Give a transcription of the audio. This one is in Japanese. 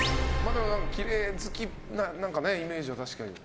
きれい好きなイメージは確かに。